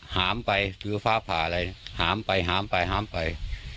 หามไปถือฟ้าผ่าอะไรหามไปหามไปหามไป